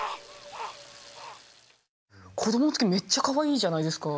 子どもの時めっちゃかわいいじゃないですか。